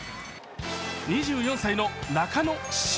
２４歳の中野慎